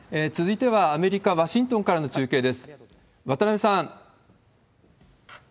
続いては、アメリカ・ワシントンからの中継です。